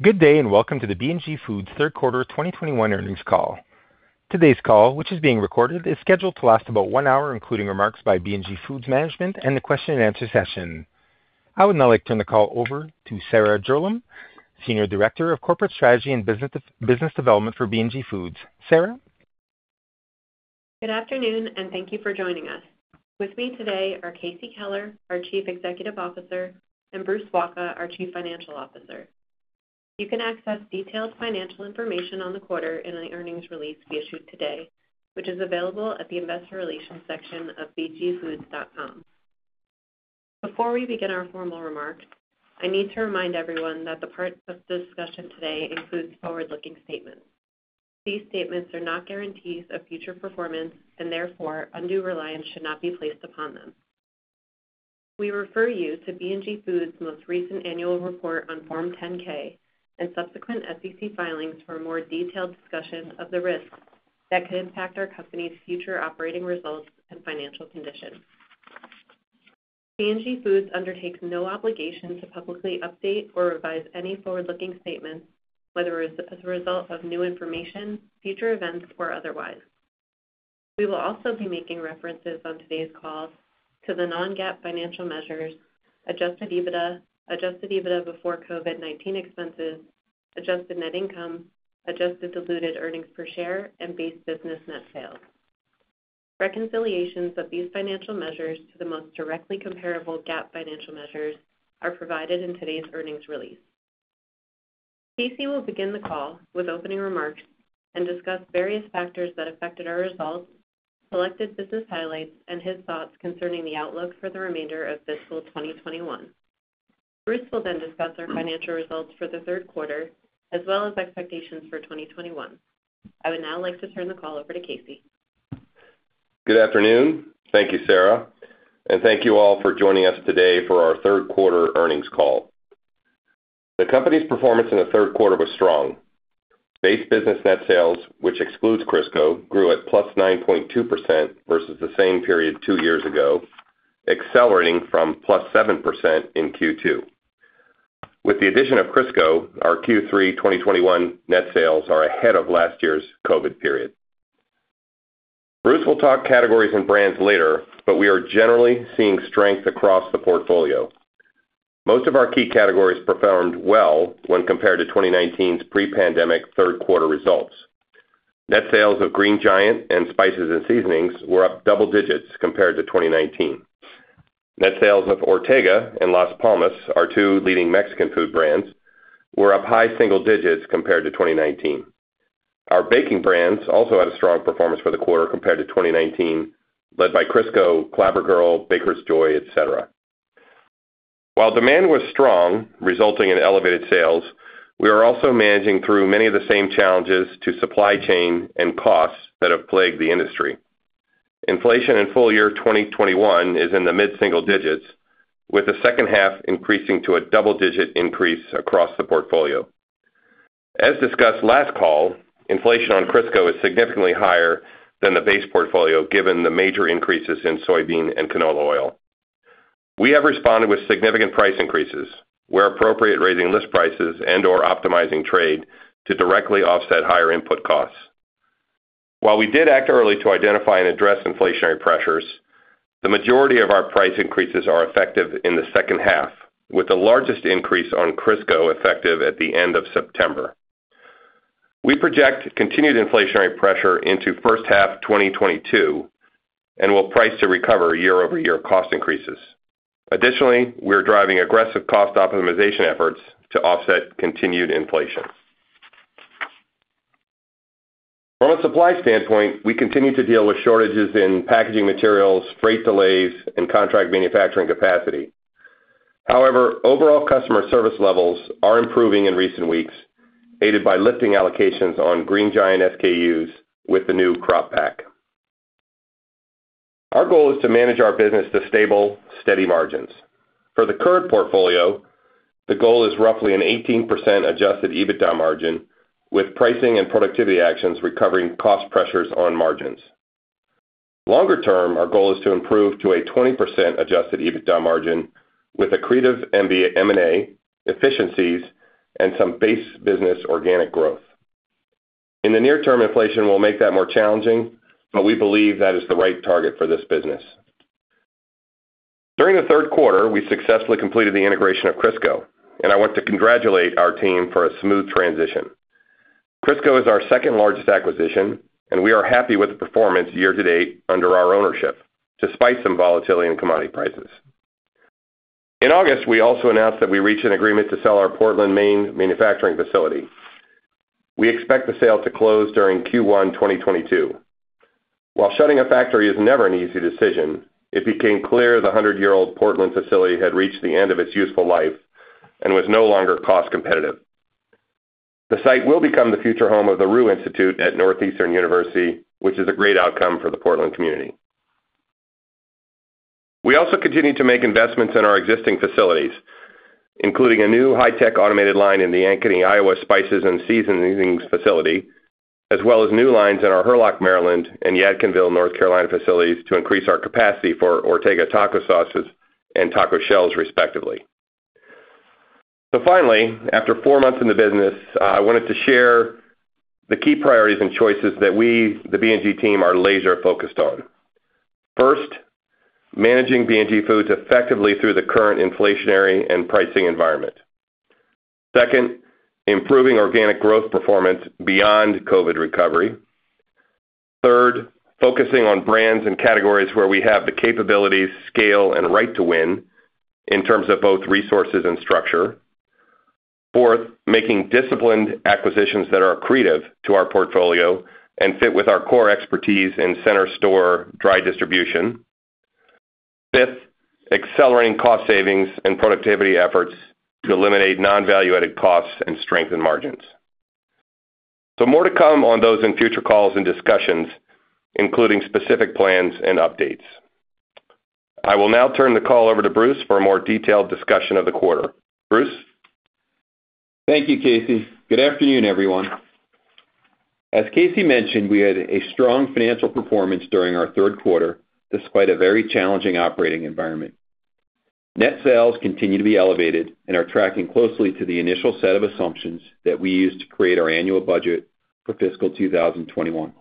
Good day, and welcome to the B&G Foods third quarter 2021 earnings call. Today's call, which is being recorded, is scheduled to last about one hour, including remarks by B&G Foods management and the question and answer session. I would now like to turn the call over to Sarah Jarolem, Senior Director of Corporate Strategy and Business Development for B&G Foods. Sarah. Good afternoon, and thank you for joining us. With me today are Casey Keller, our Chief Executive Officer, and Bruce Wacha, our Chief Financial Officer. You can access detailed financial information on the quarter in the earnings release we issued today, which is available at the investor relations section of bgfoods.com. Before we begin our formal remarks, I need to remind everyone that the parts of discussion today includes forward-looking statements. These statements are not guarantees of future performance and therefore undue reliance should not be placed upon them. We refer you to B&G Foods most recent annual report on Form 10-K and subsequent SEC filings for a more detailed discussion of the risks that could impact our company's future operating results and financial conditions. B&G Foods undertakes no obligation to publicly update or revise any forward-looking statements, whether as a result of new information, future events, or otherwise. We will also be making references on today's call to the non-GAAP financial measures, adjusted EBITDA, adjusted EBITDA before COVID-19 expenses, adjusted net income, adjusted diluted earnings per share, and base business net sales. Reconciliations of these financial measures to the most directly comparable GAAP financial measures are provided in today's earnings release. Casey will begin the call with opening remarks and discuss various factors that affected our results, selected business highlights, and his thoughts concerning the outlook for the remainder of fiscal 2021. Bruce will then discuss our financial results for the third quarter as well as expectations for 2021. I would now like to turn the call over to Casey. Good afternoon. Thank you, Sarah, and thank you all for joining us today for our third quarter earnings call. The company's performance in the third quarter was strong. Base business net sales, which excludes Crisco, grew at +9.2% versus the same period two years ago, accelerating from +7% in Q2. With the addition of Crisco, our Q3 2021 net sales are ahead of last year's COVID-19 period. Bruce will talk categories and brands later, but we are generally seeing strength across the portfolio. Most of our key categories performed well when compared to 2019's pre-pandemic third-quarter results. Net sales of Green Giant and spices and seasonings were up double digits compared to 2019. Net sales of Ortega and Las Palmas, our two leading Mexican food brands, were up high single digits compared to 2019. Our baking brands also had a strong performance for the quarter compared to 2019, led by Crisco, Clabber Girl, Baker's Joy, et cetera. While demand was strong, resulting in elevated sales, we are also managing through many of the same challenges to supply chain and costs that have plagued the industry. Inflation in full year 2021 is in the mid-single digits, with the second half increasing to a double-digit increase across the portfolio. As discussed last call, inflation on Crisco is significantly higher than the base portfolio given the major increases in soybean and canola oil. We have responded with significant price increases, where appropriate, raising list prices and/or optimizing trade to directly offset higher input costs. While we did act early to identify and address inflationary pressures, the majority of our price increases are effective in the second half, with the largest increase on Crisco effective at the end of September. We project continued inflationary pressure into first half 2022 and will price to recover year-over-year cost increases. Additionally, we are driving aggressive cost optimization efforts to offset continued inflation. From a supply standpoint, we continue to deal with shortages in packaging materials, freight delays, and contract manufacturing capacity. However, overall customer service levels are improving in recent weeks, aided by lifting allocations on Green Giant SKUs with the new crop pack. Our goal is to manage our business to stable, steady margins. For the current portfolio, the goal is roughly an 18% adjusted EBITDA margin, with pricing and productivity actions recovering cost pressures on margins. Longer term, our goal is to improve to a 20% adjusted EBITDA margin with accretive M&A, efficiencies, and some base business organic growth. In the near term, inflation will make that more challenging, but we believe that is the right target for this business. During the third quarter, we successfully completed the integration of Crisco, and I want to congratulate our team for a smooth transition. Crisco is our second largest acquisition, and we are happy with the performance year to date under our ownership, despite some volatility in commodity prices. In August, we also announced that we reached an agreement to sell our Portland, Maine manufacturing facility. We expect the sale to close during Q1 2022. While shutting a factory is never an easy decision, it became clear the 100-year-old Portland facility had reached the end of its useful life and was no longer cost competitive. The site will become the future home of the Roux Institute at Northeastern University, which is a great outcome for the Portland community. We also continue to make investments in our existing facilities, including a new high-tech automated line in the Ankeny, Iowa spices and seasonings facility, as well as new lines in our Hurlock, Maryland and Yadkinville, North Carolina facilities to increase our capacity for Ortega taco sauces and taco shells, respectively. Finally, after four months in the business, I wanted to share the key priorities and choices that we, the B&G team, are laser-focused on. First, managing B&G Foods effectively through the current inflationary and pricing environment. Second, improving organic growth performance beyond COVID recovery. Third, focusing on brands and categories where we have the capabilities, scale, and right to win in terms of both resources and structure. Fourth, making disciplined acquisitions that are accretive to our portfolio and fit with our core expertise in center store dry distribution. Fifth, accelerating cost savings and productivity efforts to eliminate non-value-added costs and strengthen margins. More to come on those in future calls and discussions, including specific plans and updates. I will now turn the call over to Bruce for a more detailed discussion of the quarter. Bruce? Thank you, Casey. Good afternoon, everyone. As Casey mentioned, we had a strong financial performance during our third quarter, despite a very challenging operating environment. Net sales continue to be elevated and are tracking closely to the initial set of assumptions that we used to create our annual budget for fiscal 2021.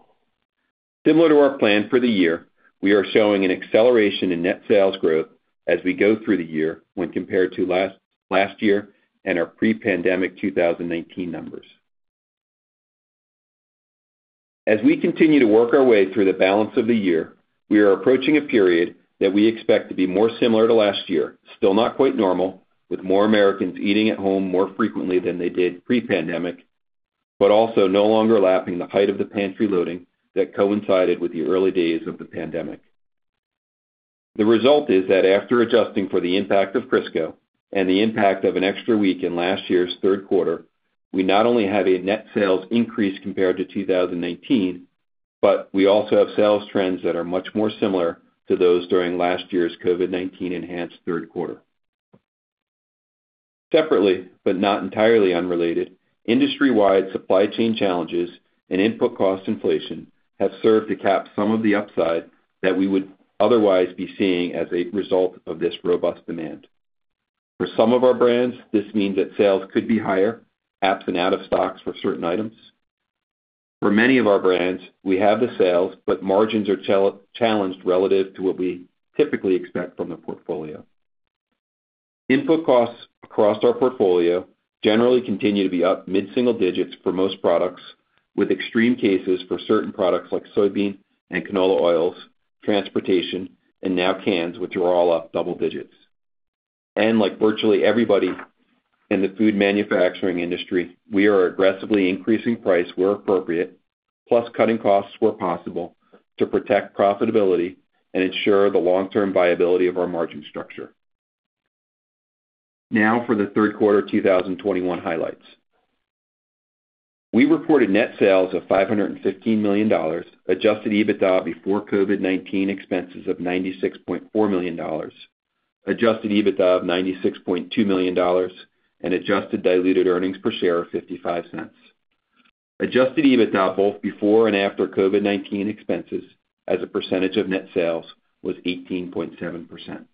Similar to our plan for the year, we are showing an acceleration in net sales growth as we go through the year when compared to last year and our pre-pandemic 2019 numbers. As we continue to work our way through the balance of the year, we are approaching a period that we expect to be more similar to last year, still not quite normal, with more Americans eating at home more frequently than they did pre-pandemic, but also no longer lapping the height of the pantry loading that coincided with the early days of the pandemic. The result is that after adjusting for the impact of Crisco and the impact of an extra week in last year's third quarter, we not only have a net sales increase compared to 2019, but we also have sales trends that are much more similar to those during last year's COVID-19 enhanced third quarter. Separately, but not entirely unrelated, industry-wide supply chain challenges and input cost inflation have served to cap some of the upside that we would otherwise be seeing as a result of this robust demand. For some of our brands, this means that sales could be higher, OOS and out of stocks for certain items. For many of our brands, we have the sales, but margins are challenged relative to what we typically expect from the portfolio. Input costs across our portfolio generally continue to be up mid-single digits for most products, with extreme cases for certain products like soybean and canola oils, transportation, and now cans, which are all up double digits. Like virtually everybody in the food manufacturing industry, we are aggressively increasing price where appropriate, plus cutting costs where possible to protect profitability and ensure the long-term viability of our margin structure. Now, for the third quarter 2021 highlights. We reported net sales of $515 million, adjusted EBITDA before COVID-19 expenses of $96.4 million, adjusted EBITDA of $96.2 million, and adjusted diluted earnings per share of $0.55. Adjusted EBITDA both before and after COVID-19 expenses as a percentage of net sales was 18.7%.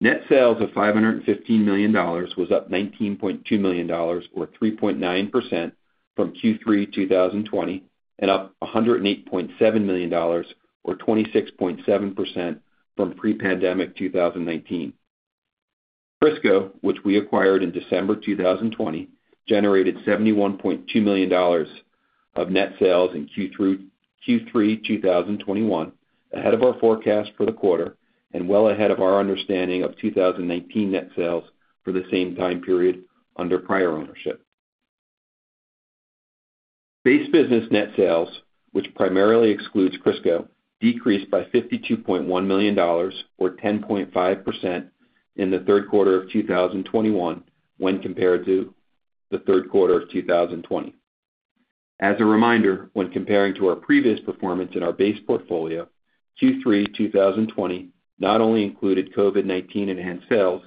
Net sales of $515 million was up $19.2 million or 3.9% from Q3 2020, and up $108.7 million or 26.7% from pre-pandemic 2019. Crisco, which we acquired in December 2020, generated $71.2 million of net sales in Q3 2021, ahead of our forecast for the quarter, and well ahead of our understanding of 2019 net sales for the same time period under prior ownership. Base business net sales, which primarily excludes Crisco, decreased by $52.1 million or 10.5% in the third quarter of 2021 when compared to the third quarter of 2020. As a reminder, when comparing to our previous performance in our base portfolio, Q3 2020 not only included COVID-19 enhanced sales,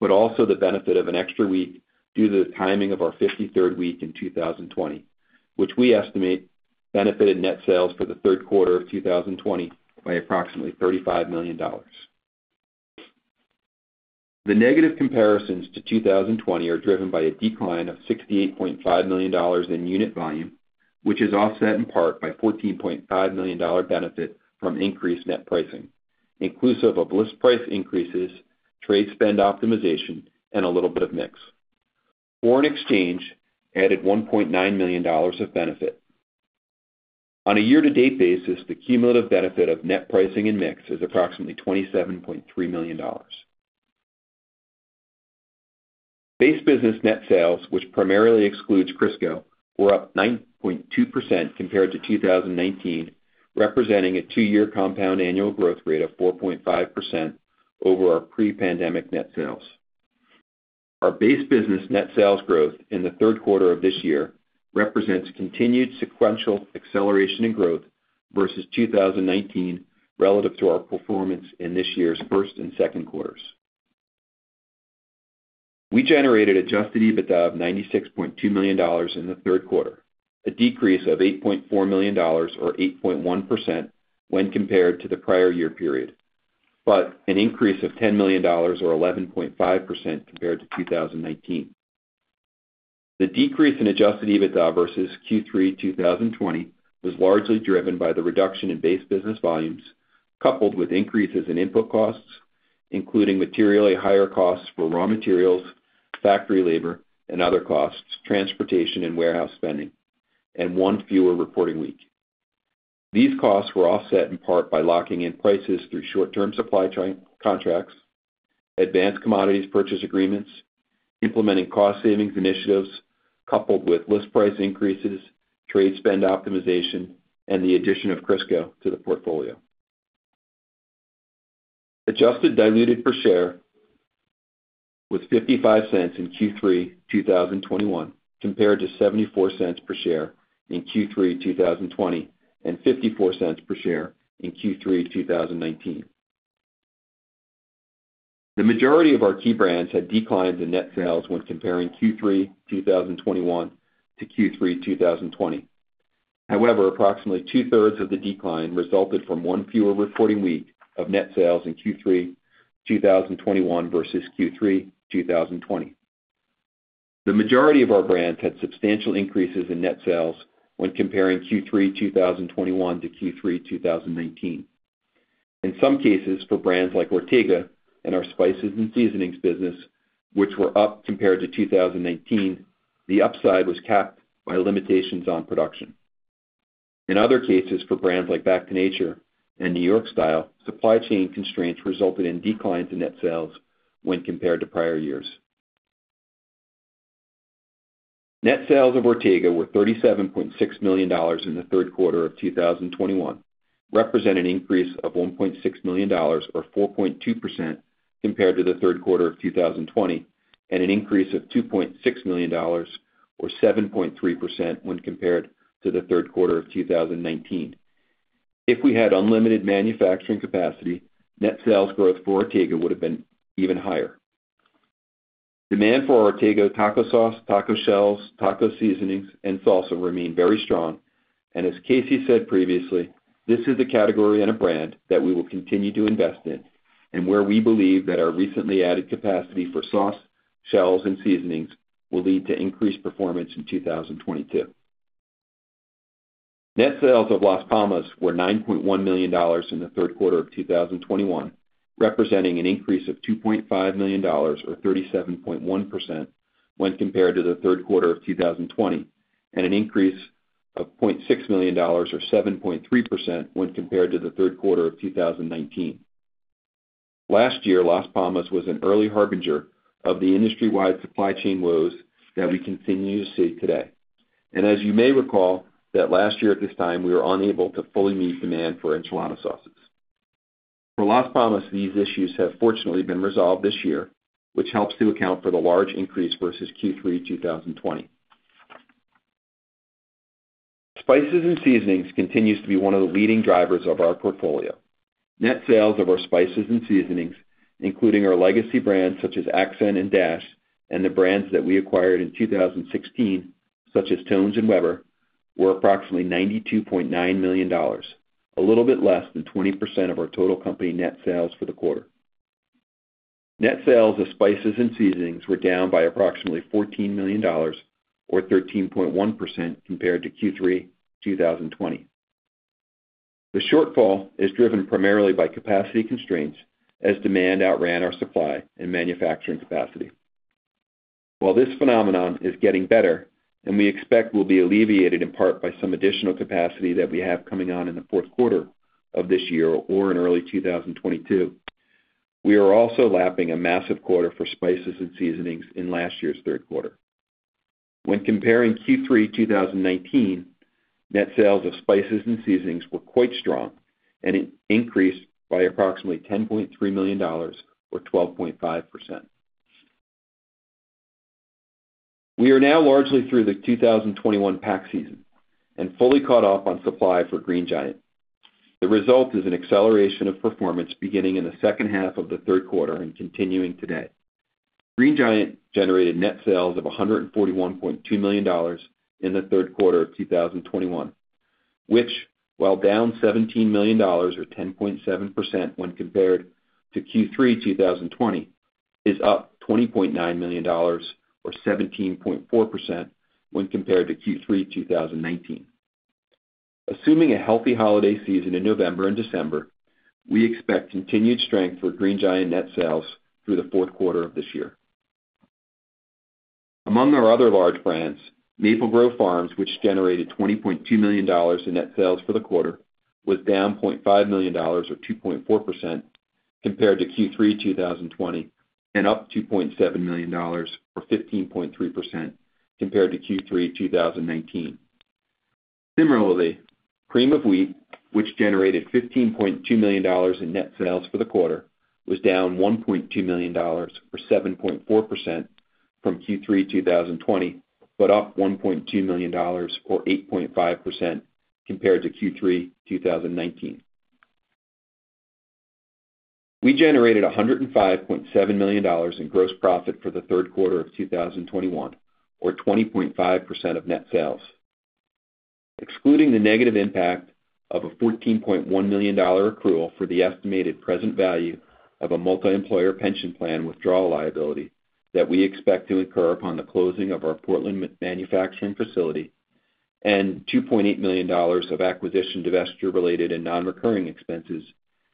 but also the benefit of an extra week due to the timing of our 53rd week in 2020, which we estimate benefited net sales for the third quarter of 2020 by approximately $35 million. The negative comparisons to 2020 are driven by a decline of $68.5 million in unit volume, which is offset in part by $14.5 million benefit from increased net pricing, inclusive of list price increases, trade spend optimization, and a little bit of mix. Foreign exchange added $1.9 million of benefit. On a year-to-date basis, the cumulative benefit of net pricing and mix is approximately $27.3 million. Base business net sales, which primarily excludes Crisco, were up 9.2% compared to 2019, representing a two-year compound annual growth rate of 4.5% over our pre-pandemic net sales. Our base business net sales growth in the third quarter of this year represents continued sequential acceleration in growth versus 2019 relative to our performance in this year's first and second quarters. We generated adjusted EBITDA of $96.2 million in the third quarter, a decrease of $8.4 million or 8.1% when compared to the prior year period, but an increase of $10 million or 11.5% compared to 2019. The decrease in adjusted EBITDA versus Q3 2020 was largely driven by the reduction in base business volumes, coupled with increases in input costs, including materially higher costs for raw materials, factory labor and other costs, transportation and warehouse spending, and one fewer reporting week. These costs were offset in part by locking in prices through short-term supply contracts, advanced commodities purchase agreements, implementing cost savings initiatives, coupled with list price increases, trade spend optimization, and the addition of Crisco to the portfolio. Adjusted diluted per share was $0.55 in Q3 2021, compared to $0.74 per share in Q3 2020, and $0.54 per share in Q3 2019. The majority of our key brands had declines in net sales when comparing Q3 2021 to Q3 2020. However, approximately 2/3 of the decline resulted from one fewer reporting week of net sales in Q3 2021 versus Q3 2020. The majority of our brands had substantial increases in net sales when comparing Q3 2021 to Q3 2019. In some cases, for brands like Ortega and our spices and seasonings business, which were up compared to 2019, the upside was capped by limitations on production. In other cases, for brands like Back to Nature and New York Style, supply chain constraints resulted in declines in net sales when compared to prior years. Net sales of Ortega were $37.6 million in the third quarter of 2021, representing an increase of $1.6 million or 4.2% compared to the third quarter of 2020, and an increase of $2.6 million or 7.3% when compared to the third quarter of 2019. If we had unlimited manufacturing capacity, net sales growth for Ortega would have been even higher. Demand for Ortega taco sauce, taco shells, taco seasonings, and salsa remain very strong. As Casey said previously, this is a category and a brand that we will continue to invest in, and where we believe that our recently added capacity for sauce, shells, and seasonings will lead to increased performance in 2022. Net sales of Las Palmas were $9.1 million in the third quarter of 2021, representing an increase of $2.5 million or 37.1% when compared to the third quarter of 2020, and an increase of $0.6 million or 7.3% when compared to the third quarter of 2019. Last year, Las Palmas was an early harbinger of the industry-wide supply chain woes that we continue to see today. As you may recall that last year at this time, we were unable to fully meet demand for enchilada sauces. For Las Palmas, these issues have fortunately been resolved this year, which helps to account for the large increase versus Q3 2020. Spices and seasonings continues to be one of the leading drivers of our portfolio. Net sales of our spices and seasonings, including our legacy brands such as Ac'cent and Dash, and the brands that we acquired in 2016, such as Tone's and Weber, were approximately $92.9 million, a little bit less than 20% of our total company net sales for the quarter. Net sales of spices and seasonings were down by approximately $14 million or 13.1% compared to Q3 2020. The shortfall is driven primarily by capacity constraints as demand outran our supply and manufacturing capacity. While this phenomenon is getting better, and we expect will be alleviated in part by some additional capacity that we have coming on in the fourth quarter of this year or in early 2022, we are also lapping a massive quarter for spices and seasonings in last year's third quarter. When comparing Q3 2019, net sales of spices and seasonings were quite strong and increased by approximately $10.3 million or 12.5%. We are now largely through the 2021 pack season and fully caught up on supply for Green Giant. The result is an acceleration of performance beginning in the second half of the third quarter and continuing today. Green Giant generated net sales of $141.2 million in the third quarter of 2021, which, while down $17 million or 10.7% when compared to Q3 2020, is up $20.9 million or 17.4% when compared to Q3 2019. Assuming a healthy holiday season in November and December, we expect continued strength for Green Giant net sales through the fourth quarter of this year. Among our other large brands, Maple Grove Farms, which generated $20.2 million in net sales for the quarter, was down $0.5 million or 2.4% compared to Q3 2020, and up $2.7 million or 15.3% compared to Q3 2019. Similarly, Cream of Wheat, which generated $15.2 million in net sales for the quarter, was down $1.2 million or 7.4% from Q3 2020, but up $1.2 million or 8.5% compared to Q3 2019. We generated $105.7 million in gross profit for the third quarter of 2021, or 20.5% of net sales. Excluding the negative impact of a $14.1 million accrual for the estimated present value of a multi-employer pension plan withdrawal liability that we expect to incur upon the closing of our Portland manufacturing facility, and $2.8 million of acquisition divestiture-related and non-recurring expenses,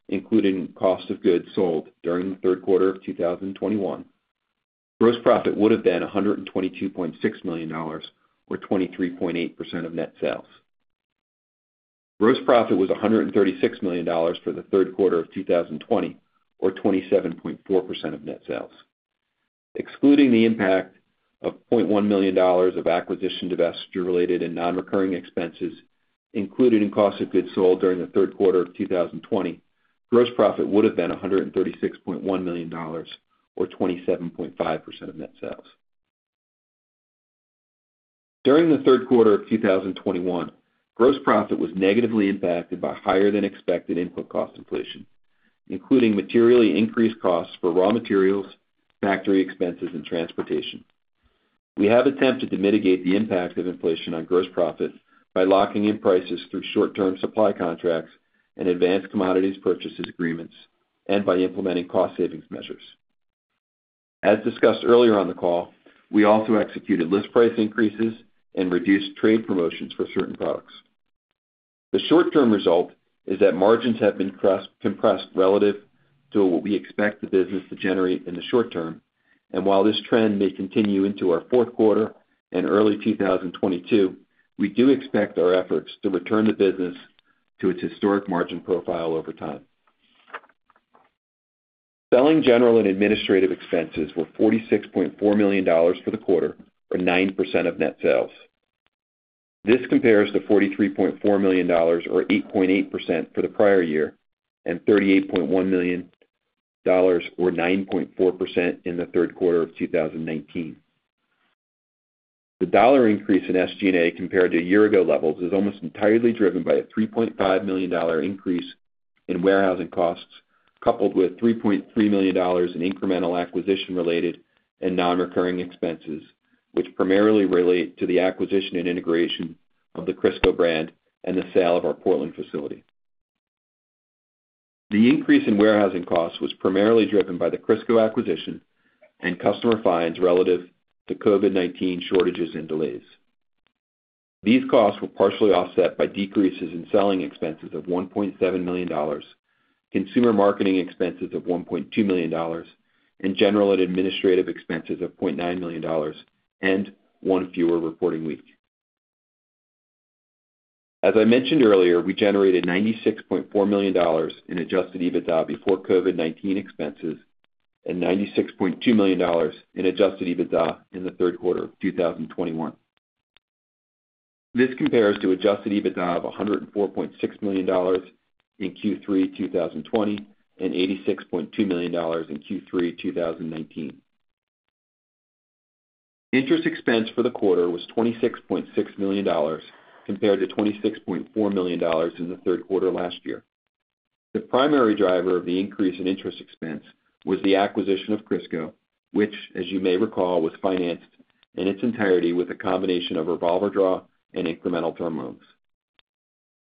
including cost of goods sold during the third quarter of 2021, gross profit would have been $122.6 million, or 23.8% of net sales. Gross profit was $136 million for the third quarter of 2020 or 27.4% of net sales. Excluding the impact of $0.1 million of acquisition divestiture-related and non-recurring expenses included in cost of goods sold during the third quarter of 2020, gross profit would have been $136.1 million or 27.5% of net sales. During the third quarter of 2021, gross profit was negatively impacted by higher than expected input cost inflation, including materially increased costs for raw materials, factory expenses and transportation. We have attempted to mitigate the impact of inflation on gross profit by locking in prices through short-term supply contracts and advanced commodities purchases agreements and by implementing cost savings measures. As discussed earlier on the call, we also executed list price increases and reduced trade promotions for certain products. The short-term result is that margins have been cost-compressed relative to what we expect the business to generate in the short term. While this trend may continue into our fourth quarter and early 2022, we do expect our efforts to return the business to its historic margin profile over time. Selling general and administrative expenses were $46.4 million for the quarter or 9% of net sales. This compares to $43.4 million or 8.8% for the prior year, and $38.1 million or 9.4% in the third quarter of 2019. The dollar increase in SG&A compared to year-ago levels is almost entirely driven by a $3.5 million increase in warehousing costs, coupled with $3.3 million in incremental acquisition-related and non-recurring expenses, which primarily relate to the acquisition and integration of the Crisco brand and the sale of our Portland facility. The increase in warehousing costs was primarily driven by the Crisco acquisition and customer fines relative to COVID-19 shortages and delays. These costs were partially offset by decreases in selling expenses of $1.7 million, consumer marketing expenses of $1.2 million, and general and administrative expenses of $0.9 million, and one fewer reporting week. As I mentioned earlier, we generated $96.4 million in adjusted EBITDA before COVID-19 expenses and $96.2 million in adjusted EBITDA in the third quarter of 2021. This compares to adjusted EBITDA of $104.6 million in Q3 2020 and $86.2 million in Q3 2019. Interest expense for the quarter was $26.6 million compared to $26.4 million in the third quarter last year. The primary driver of the increase in interest expense was the acquisition of Crisco, which, as you may recall, was financed in its entirety with a combination of revolver draw and incremental term loans.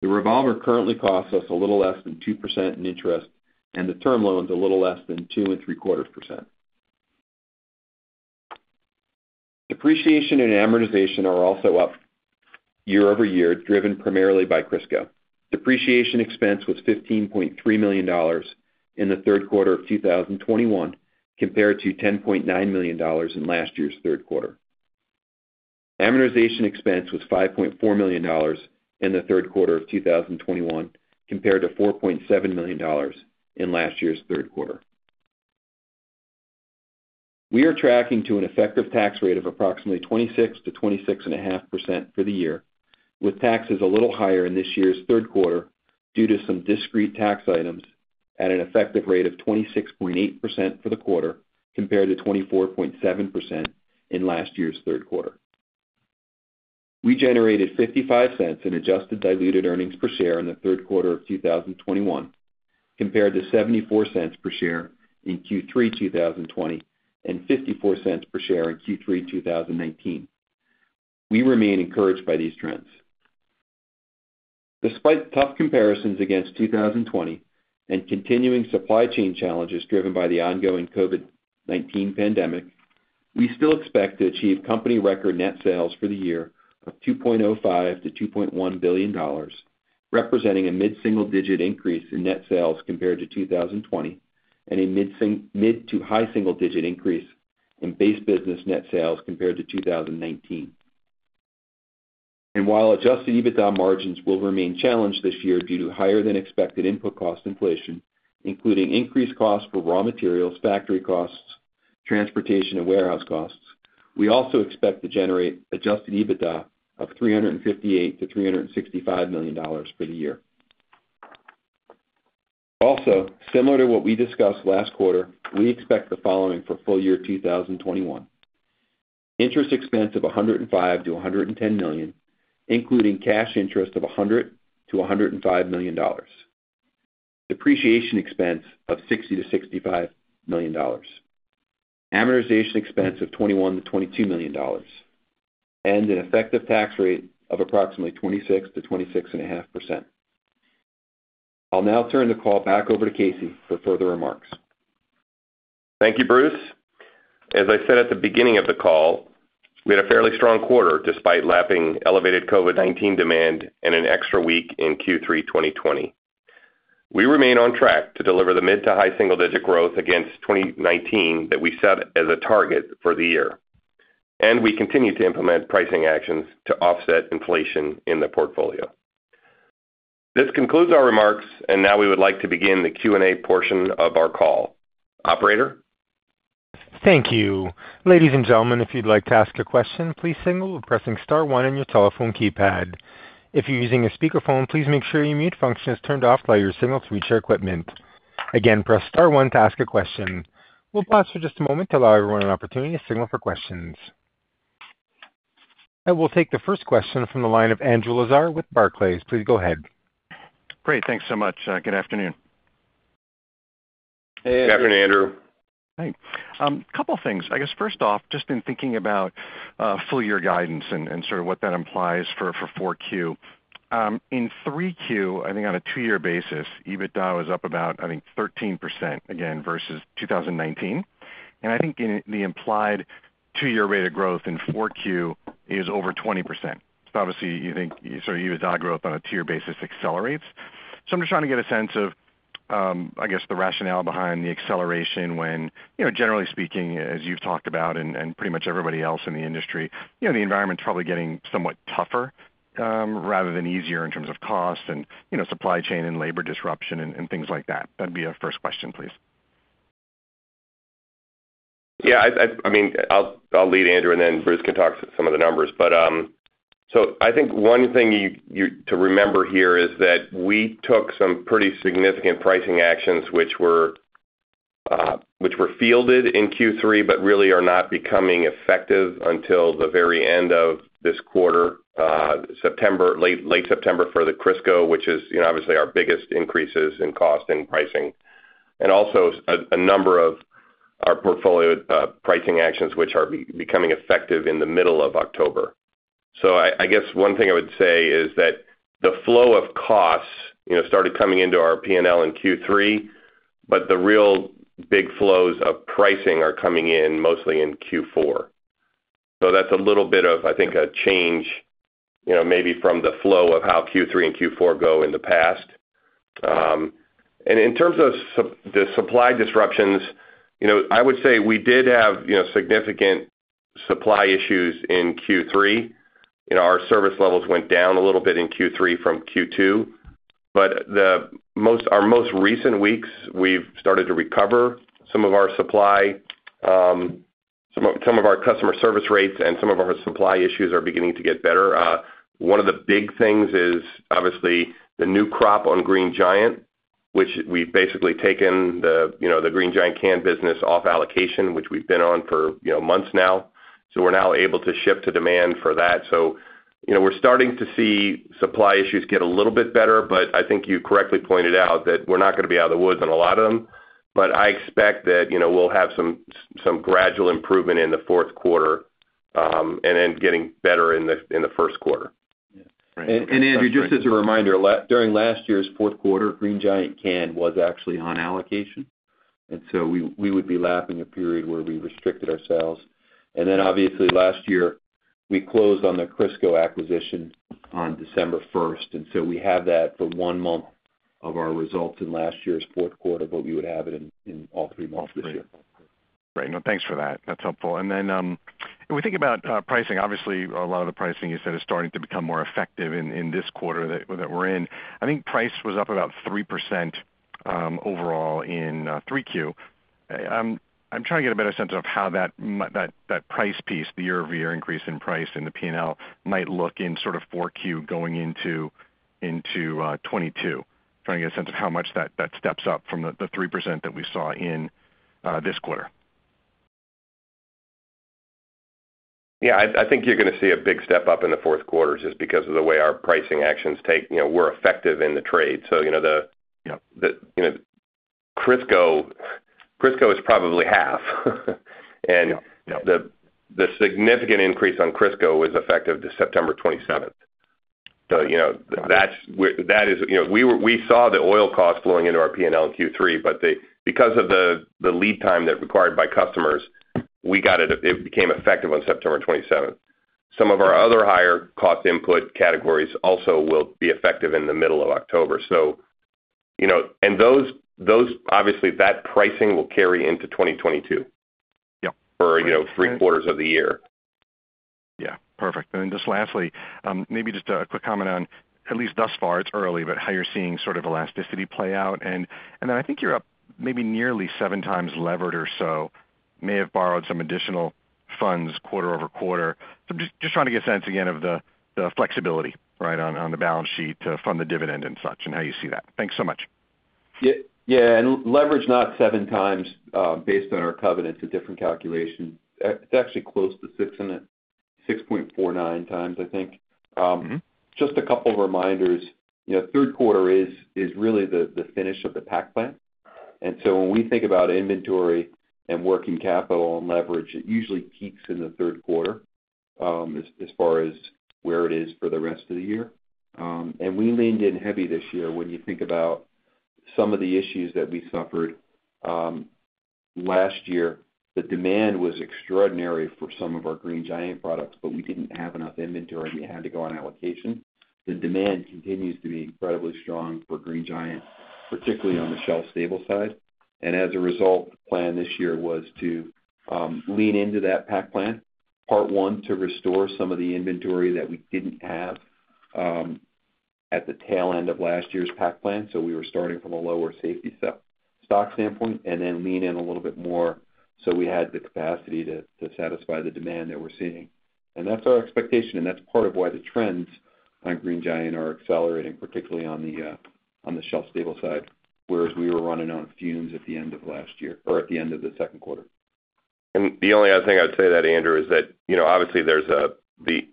The revolver currently costs us a little less than 2% in interest, and the term loan's a little less than 2.75%. Depreciation and amortization are also up year over year, driven primarily by Crisco. Depreciation expense was $15.3 million in the third quarter of 2021 compared to $10.9 million in last year's third quarter. Amortization expense was $5.4 million in the third quarter of 2021 compared to $4.7 million in last year's third quarter. We are tracking to an effective tax rate of approximately 26%-26.5% for the year, with taxes a little higher in this year's third quarter due to some discrete tax items at an effective rate of 26.8% for the quarter compared to 24.7% in last year's third quarter. We generated $0.55 in adjusted diluted earnings per share in the third quarter of 2021 compared to $0.74 per share in Q3 2020 and $0.54 per share in Q3 2019. We remain encouraged by these trends. Despite tough comparisons against 2020 and continuing supply chain challenges driven by the ongoing COVID-19 pandemic, we still expect to achieve company record net sales for the year of $2.05-$2.1 billion, representing a mid-single-digit increase in net sales compared to 2020 and a mid- to high-single-digit increase in base business net sales compared to 2019. While adjusted EBITDA margins will remain challenged this year due to higher than expected input cost inflation, including increased costs for raw materials, factory costs, transportation and warehouse costs, we also expect to generate adjusted EBITDA of $358 million-$365 million for the year. Also, similar to what we discussed last quarter, we expect the following for full year 2021. Interest expense of $105 million-$110 million, including cash interest of $100 million-$105 million. Depreciation expense of $60 million-$65 million. Amortization expense of $21 million-$22 million. An effective tax rate of approximately 26%-26.5%. I'll now turn the call back over to Casey for further remarks. Thank you, Bruce. As I said at the beginning of the call, we had a fairly strong quarter despite lapping elevated COVID-19 demand and an extra week in Q3 2020. We remain on track to deliver the mid to high single-digit growth against 2019 that we set as a target for the year. We continue to implement pricing actions to offset inflation in the portfolio. This concludes our remarks, and now we would like to begin the Q&A portion of our call. Operator? Thank you. Ladies and gentlemen, if you'd like to ask a question, please signal by pressing star one on your telephone keypad. If you're using a speakerphone, please make sure your mute function is turned off before your signal reaches our equipment. Again, press star one to ask a question. We'll pause for just a moment to allow everyone an opportunity to signal for questions. I will take the first question from the line of Andrew Lazar with Barclays. Please go ahead. Great. Thanks so much. Good afternoon. Good afternoon, Andrew. Hi. Couple of things. I guess, first off, just in thinking about full year guidance and sort of what that implies for 4Q. In 3Q, I think on a two-year basis, EBITDA was up about, I think, 13% again versus 2019. I think in the implied two-year rate of growth in 4Q is over 20%. Obviously, you think sort of EBITDA growth on a two-year basis accelerates. I'm just trying to get a sense of, I guess, the rationale behind the acceleration when, you know, generally speaking, as you've talked about and pretty much everybody else in the industry, you know, the environment's probably getting somewhat tougher rather than easier in terms of cost and, you know, supply chain and labor disruption and things like that. That'd be our first question, please. I mean, I'll lead, Andrew, and then Bruce can talk some of the numbers. I think one thing you to remember here is that we took some pretty significant pricing actions which were fielded in Q3, but really are not becoming effective until the very end of this quarter, September, late September for the Crisco, which is, you know, obviously our biggest increases in cost and pricing. Also a number of our portfolio pricing actions, which are becoming effective in the middle of October. I guess one thing I would say is that the flow of costs, you know, started coming into our P&L in Q3, but the real big flows of pricing are coming in mostly in Q4. That's a little bit of, I think, a change, maybe from the flow of how Q3 and Q4 go in the past. In terms of the supply disruptions, I would say we did have significant supply issues in Q3, and our service levels went down a little bit in Q3 from Q2. Our most recent weeks, we've started to recover some of our supply, some of our customer service rates and some of our supply issues are beginning to get better. One of the big things is obviously the new crop on Green Giant, which we've basically taken the Green Giant can business off allocation, which we've been on for months now. We're now able to ship to demand for that. you know, we're starting to see supply issues get a little bit better, but I think you correctly pointed out that we're not gonna be out of the woods on a lot of them. I expect that, you know, we'll have some gradual improvement in the fourth quarter, and then getting better in the first quarter. Andrew, just as a reminder, during last year's fourth quarter, Green Giant can was actually on allocation. We would be lapping a period where we restricted ourselves. Obviously last year, we closed on the Crisco acquisition on December 1st. We have that for one month of our results in last year's fourth quarter, but we would have it in all three months this year. Great. No, thanks for that. That's helpful. When we think about pricing, obviously a lot of the pricing you said is starting to become more effective in this quarter that we're in. I think price was up about 3%, overall in 3Q. I'm trying to get a better sense of how that price piece, the year-over-year increase in price in the P&L might look in sort of 4Q going into 2022. Trying to get a sense of how much that steps up from the 3% that we saw in this quarter. Yeah, I think you're gonna see a big step up in the fourth quarter just because of the way our pricing actions take. You know, we're effective in the trade. You know, the Yeah. You know, Crisco is probably half. Yeah. Yeah. The significant increase on Crisco was effective to September 27. You know, that is, you know, we saw the oil costs flowing into our P&L in Q3, but because of the lead time required by customers, it became effective on September 27. Some of our other higher cost input categories also will be effective in the middle of October. You know, obviously, that pricing will carry into 2022. Yeah. For, you know, three quarters of the year. Yeah. Perfect. Just lastly, maybe just a quick comment on at least thus far. It's early, but how you're seeing sort of elasticity play out. I think you're up maybe nearly 7x levered or so, may have borrowed some additional funds quarter over quarter. I'm just trying to get a sense again of the flexibility, right, on the balance sheet to fund the dividend and such, and how you see that. Thanks so much. Yeah. Leverage is not 7x based on our covenants, a different calculation. It's actually close to 6.49x, I think. Just a couple of reminders. You know, third quarter is really the finish of the pack plan. When we think about inventory and working capital and leverage, it usually peaks in the third quarter as far as where it is for the rest of the year. We leaned in heavy this year when you think about some of the issues that we suffered last year. The demand was extraordinary for some of our Green Giant products, but we didn't have enough inventory, and we had to go on allocation. The demand continues to be incredibly strong for Green Giant, particularly on the shelf stable side. As a result, the plan this year was to lean into that pack plan, part one, to restore some of the inventory that we didn't have at the tail end of last year's pack plan. We were starting from a lower safety stock standpoint, and then lean in a little bit more so we had the capacity to satisfy the demand that we're seeing. That's our expectation, and that's part of why the trends on Green Giant are accelerating, particularly on the shelf stable side, whereas we were running on fumes at the end of last year or at the end of the second quarter. The only other thing I'd say to that, Andrew, is that, you know, obviously there's the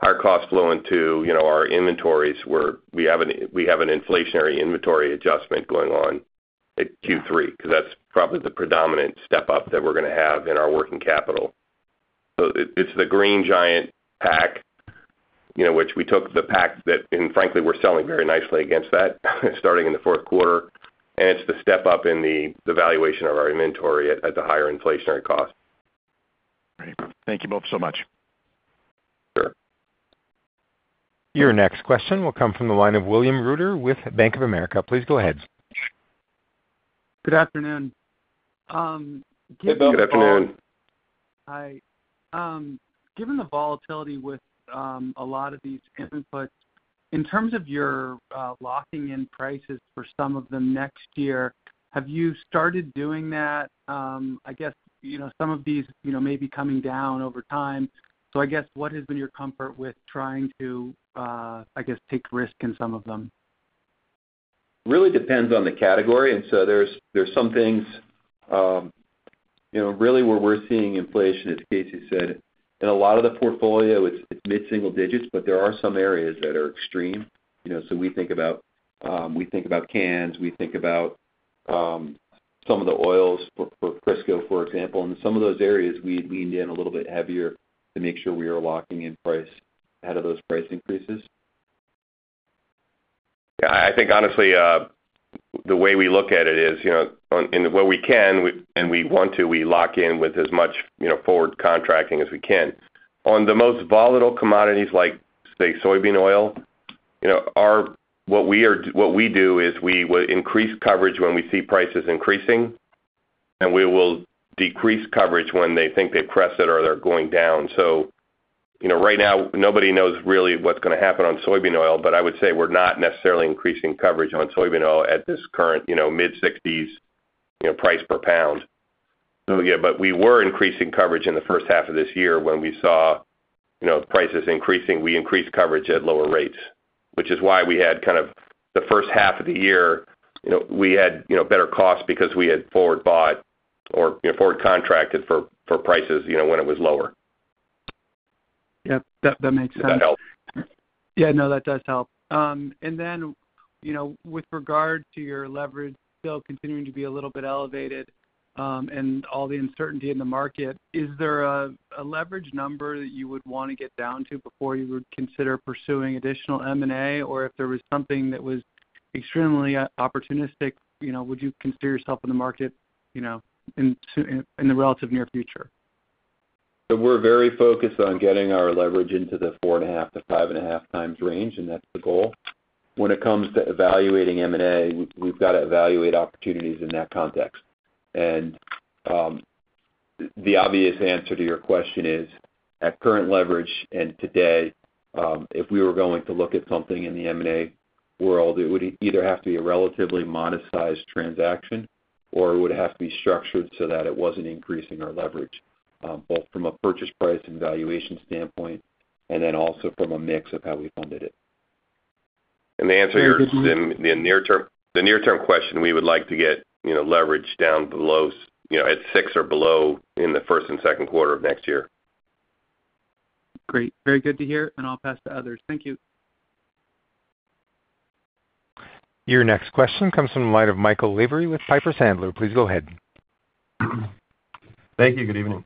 higher costs flow into, you know, our inventories, we have an inflationary inventory adjustment going on at Q3 because that's probably the predominant step-up that we're gonna have in our working capital. It's the Green Giant pack, you know, which we took the pack and frankly, we're selling very nicely against that starting in the fourth quarter. It's the step-up in the valuation of our inventory at the higher inflationary cost. Great. Thank you both so much. Sure. Your next question will come from the line of William Reuter with Bank of America. Please go ahead. Good afternoon. Good afternoon. Good afternoon. Hi. Given the volatility with a lot of these inputs, in terms of your locking in prices for some of them next year, have you started doing that? I guess, you know, some of these, you know, may be coming down over time. I guess what has been your comfort with trying to, I guess, take risk in some of them? Really depends on the category. There's some things, you know, really where we're seeing inflation, as Casey said, in a lot of the portfolio, it's mid-single digits, but there are some areas that are extreme. You know, we think about cans, we think about some of the oils for Crisco, for example. In some of those areas, we leaned in a little bit heavier to make sure we are locking in price ahead of those price increases. Yeah. I think honestly, the way we look at it is, you know, and where we can, we want to lock in with as much, you know, forward contracting as we can. On the most volatile commodities like, say, soybean oil, you know, what we do is we will increase coverage when we see prices increasing, and we will decrease coverage when they think they've crested or they're going down. You know, right now, nobody knows really what's gonna happen on soybean oil, but I would say we're not necessarily increasing coverage on soybean oil at this current, you know, mid-60s, you know, price per pound. We were increasing coverage in the first half of this year when we saw, you know, prices increasing. We increased coverage at lower rates, which is why we had kind of the first half of the year, you know, we had, you know, better costs because we had forward bought or, you know, forward contracted for prices, you know, when it was lower. Yep. That makes sense. Does that help? Yeah. No, that does help. You know, with regard to your leverage still continuing to be a little bit elevated, and all the uncertainty in the market, is there a leverage number that you would wanna get down to before you would consider pursuing additional M&A? If there was something that was extremely opportunistic, you know, would you consider yourself in the market, you know, in the relative near future? We're very focused on getting our leverage into the 4.5x-5.5x range, and that's the goal. When it comes to evaluating M&A, we've got to evaluate opportunities in that context. The obvious answer to your question is at current leverage, and today, if we were going to look at something in the M&A world, it would either have to be a relatively modest-sized transaction, or it would have to be structured so that it wasn't increasing our leverage, both from a purchase price and valuation standpoint, and then also from a mix of how we funded it. The answer is- Very good point. In the near term, the near-term question, we would like to get, you know, leverage down below, you know, at six or below in the first and second quarter of next year. Great. Very good to hear, and I'll pass to others. Thank you. Your next question comes from the line of Michael Lavery with Piper Sandler. Please go ahead. Thank you. Good evening.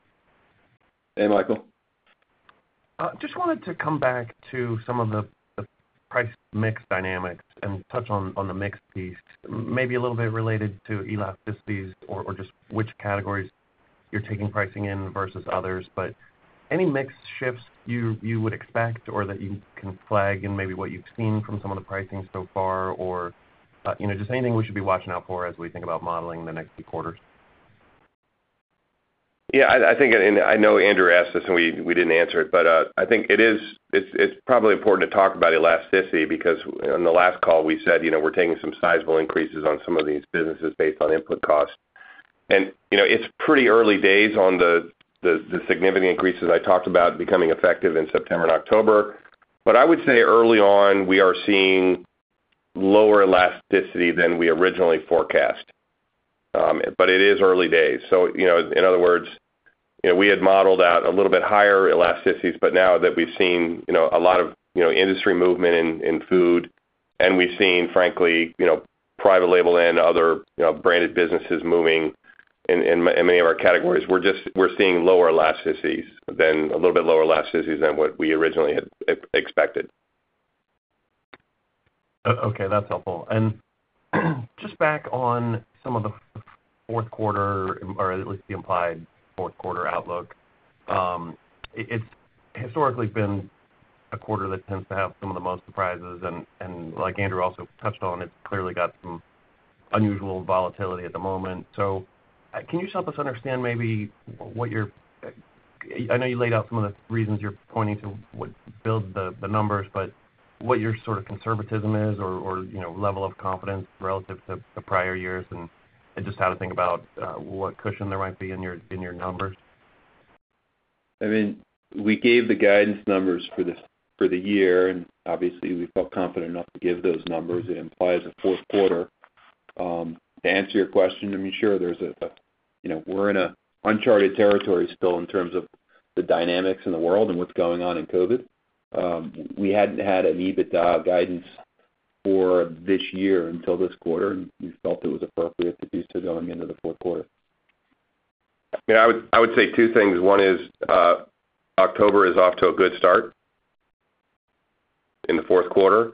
Hey, Michael. Just wanted to come back to some of the price mix dynamics and touch on the mix piece, maybe a little bit related to elasticities or just which categories you're taking pricing in versus others. Any mix shifts you would expect or that you can flag in maybe what you've seen from some of the pricing so far? You know, just anything we should be watching out for as we think about modeling the next few quarters. Yeah, I think, and I know Andrew asked this, and we didn't answer it, but I think it is. It's probably important to talk about elasticity because on the last call, we said, you know, we're taking some sizable increases on some of these businesses based on input costs. You know, it's pretty early days on the significant increases I talked about becoming effective in September and October. I would say early on we are seeing lower elasticity than we originally forecast. It is early days. You know, in other words, you know, we had modeled out a little bit higher elasticities, but now that we've seen, you know, a lot of, you know, industry movement in food, and we've seen frankly, you know, private label and other, you know, branded businesses moving in many of our categories, we're just seeing a little bit lower elasticities than what we originally had expected. Okay, that's helpful. Just back on some of the fourth quarter or at least the implied fourth quarter outlook, it's historically been a quarter that tends to have some of the most surprises, and like Andrew also touched on, it's clearly got some unusual volatility at the moment. Can you just help us understand maybe what you're. I know you laid out some of the reasons you're pointing to what build the numbers, but what your sort of conservatism is or, you know, level of confidence relative to the prior years, and just how to think about what cushion there might be in your numbers. I mean, we gave the guidance numbers for this year, and obviously we felt confident enough to give those numbers. It implies a fourth quarter. To answer your question, I mean, sure, you know, we're in uncharted territory still in terms of the dynamics in the world and what's going on in COVID. We hadn't had an EBITDA guidance for this year until this quarter, and we felt it was appropriate to do so going into the fourth quarter. Yeah, I would say two things. One is, October is off to a good start in the fourth quarter.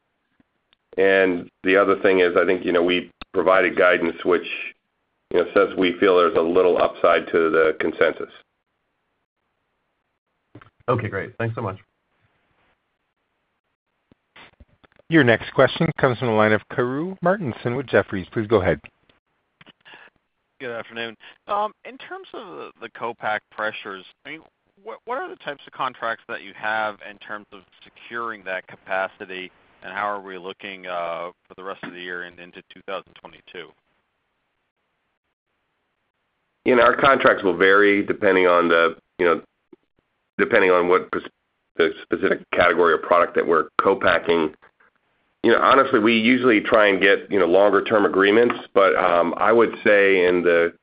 The other thing is, I think, you know, we provided guidance which, you know, says we feel there's a little upside to the consensus. Okay, great. Thanks so much. Your next question comes from the line of Karru Martinson with Jefferies. Please go ahead. Good afternoon. In terms of the co-pack pressures, I mean, what are the types of contracts that you have in terms of securing that capacity, and how are we looking for the rest of the year and into 2022? You know, our contracts will vary depending on what the specific category or product that we're co-packing. You know, honestly, we usually try and get, you know, longer term agreements, but I would say in the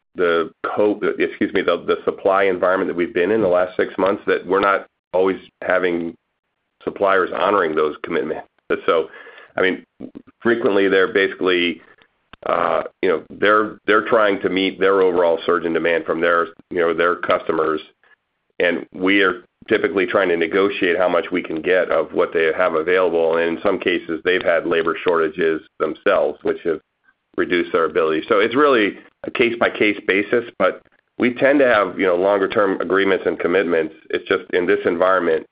supply environment that we've been in the last six months, that we're not always having suppliers honoring those commitments. I mean, frequently they're basically they're trying to meet their overall surge in demand from their, you know, their customers. And we are typically trying to negotiate how much we can get of what they have available. And in some cases, they've had labor shortages themselves, which have reduced their ability. It's really a case-by-case basis, but we tend to have, you know, longer term agreements and commitments. It's just in this environment,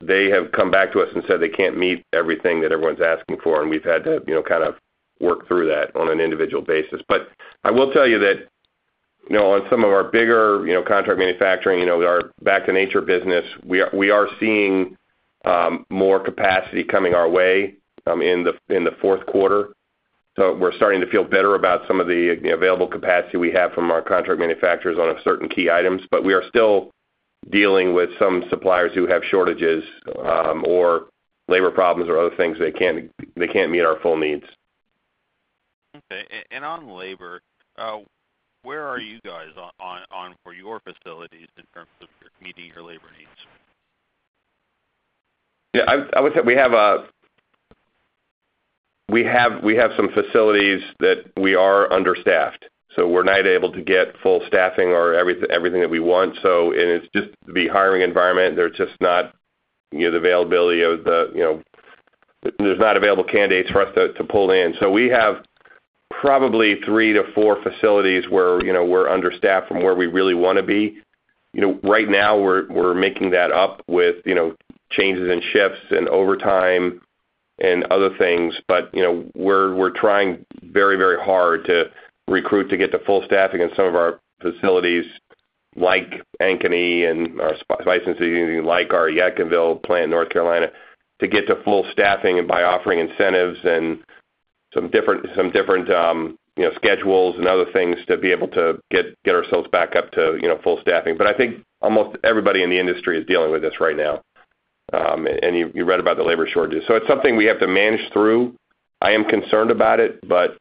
they have come back to us and said they can't meet everything that everyone's asking for, and we've had to, you know, kind of work through that on an individual basis. I will tell you that, you know, on some of our bigger, you know, contract manufacturing, you know, our Back to Nature business, we are seeing more capacity coming our way, um, in the fourth quarter. We're starting to feel better about some of the, you know, available capacity we have from our contract manufacturers on certain key items. We are still dealing with some suppliers who have shortages, or labor problems or other things. They can't meet our full needs. On labor, where are you guys on for your facilities in terms of meeting your labor needs? Yeah, I would say we have some facilities that we are understaffed, so we're not able to get full staffing or everything that we want. It's just the hiring environment. There's just not, you know, the availability of the, you know. There's not available candidates for us to pull in. We have probably three to four facilities where, you know, we're understaffed from where we really wanna be. You know, right now we're making that up with, you know, changes in shifts and overtime and other things. You know, we're trying very hard to recruit to get to full staffing in some of our facilities like Ankeny and our licensing, like our Yadkinville plant in North Carolina, to get to full staffing and by offering incentives and some different you know schedules and other things to be able to get ourselves back up to you know full staffing. I think almost everybody in the industry is dealing with this right now. You read about the labor shortages. It's something we have to manage through. I am concerned about it, but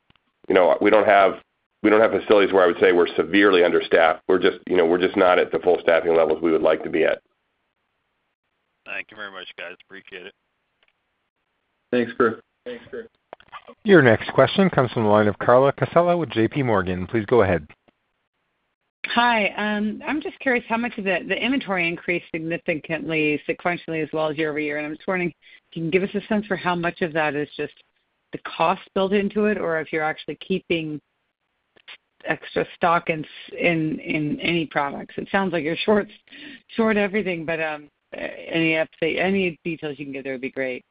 you know we don't have facilities where I would say we're severely understaffed. We're just not at the full staffing levels we would like to be at. Thank you very much, guys. Appreciate it. Thanks, Karru. Your next question comes from the line of Carla Casella with JPMorgan. Please go ahead. Hi. I'm just curious how much of the inventory increased significantly, sequentially as well as year over year. I'm just wondering if you can give us a sense for how much of that is just the cost built into it, or if you're actually keeping extra stock in any products. It sounds like you're short everything, but any update, any details you can give there would be great.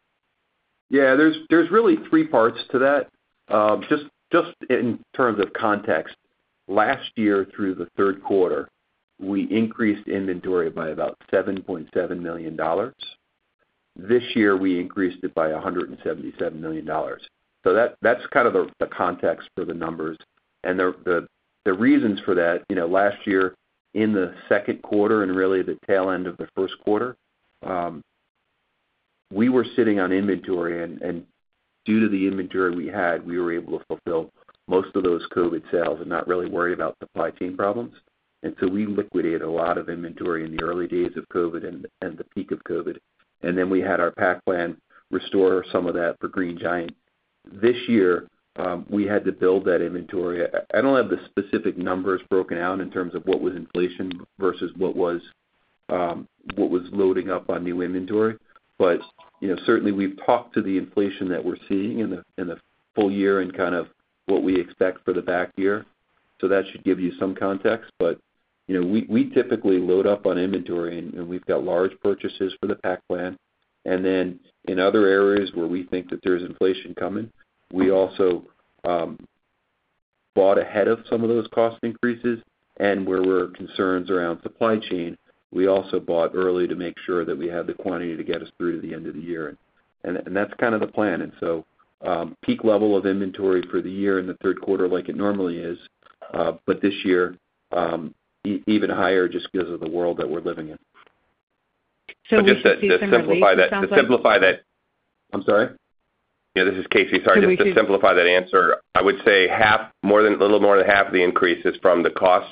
Yeah, there's really three parts to that. Just in terms of context, last year through the third quarter, we increased inventory by about $7.7 million. This year, we increased it by $177 million. That's kind of the context for the numbers and the reasons for that, you know, last year in the second quarter and really the tail end of the first quarter, we were sitting on inventory and due to the inventory we had, we were able to fulfill most of those COVID sales and not really worry about supply chain problems. We liquidated a lot of inventory in the early days of COVID and the peak of COVID. Then we had our pack plan restore some of that for Green Giant. This year, we had to build that inventory. I don't have the specific numbers broken out in terms of what was inflation versus what was loading up on new inventory. You know, certainly we've talked to the inflation that we're seeing in the full year and kind of what we expect for the back half. That should give you some context. You know, we typically load up on inventory, and we've got large purchases for the pack plan. In other areas where we think that there's inflation coming, we also bought ahead of some of those cost increases and where there were concerns around supply chain, we also bought early to make sure that we had the quantity to get us through to the end of the year. That's kind of the plan. Peak level of inventory for the year in the third quarter like it normally is, but this year even higher just because of the world that we're living in. We should see some relief, it sounds like. Just to simplify that. I'm sorry? Yeah, this is Casey. Sorry. Just to simplify that answer, I would say half more than, a little more than half of the increase is from the cost,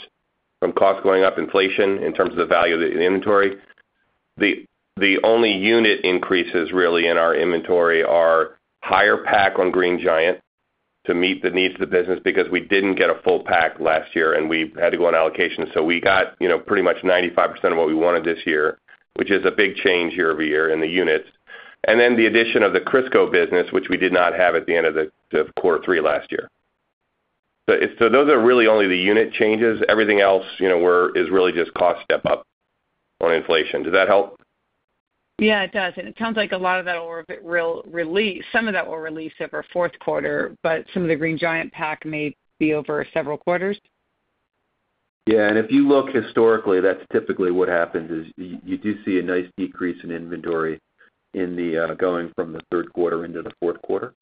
from cost going up inflation in terms of the value of the inventory. The only unit increases really in our inventory are higher pack on Green Giant to meet the needs of the business because we didn't get a full pack last year, and we had to go on allocation. So we got, you know, pretty much 95% of what we wanted this year, which is a big change year-over-year in the units. Then the addition of the Crisco business, which we did not have at the end of the quarter three last year. So those are really only the unit changes. Everything else, you know, is really just cost step up on inflation. Does that help? Yeah, it does. It sounds like a lot of that, some of that will release over fourth quarter, but some of the Green Giant pack may be over several quarters? Yeah. If you look historically, that's typically what happens, is you do see a nice decrease in inventory going from the third quarter into the fourth quarter,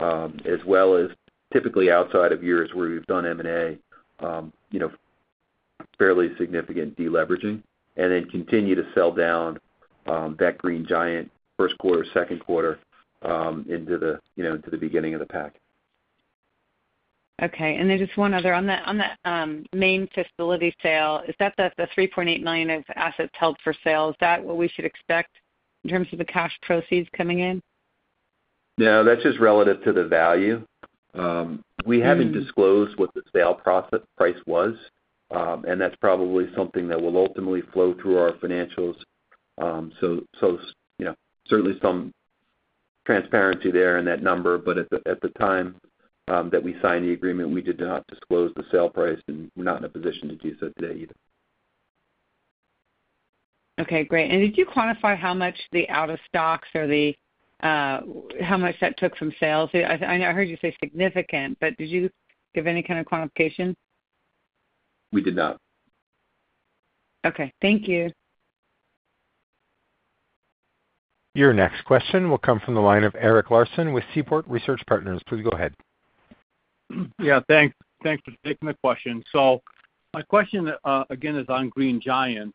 as well as typically outside of years where we've done M&A, you know, fairly significant deleveraging, and then continue to sell down that Green Giant first quarter, second quarter into the you know, into the beginning of the pack. Okay. Just one other. On that Main facility sale, is that the $3.8 million of assets held for sale? Is that what we should expect in terms of the cash proceeds coming in? No, that's just relative to the value. We haven't disclosed what the sale price was, and that's probably something that will ultimately flow through our financials. You know, certainly some transparency there in that number. But at the time that we signed the agreement, we did not disclose the sale price, and we're not in a position to do so today either. Okay, great. Did you quantify how much the out of stocks or the how much that took from sales? I know I heard you say significant, but did you give any kind of quantification? We did not. Okay. Thank you. Your next question will come from the line of Eric Larson with Seaport Research Partners. Please go ahead. Yeah, thanks. Thanks for taking my question. My question, again, is on Green Giant.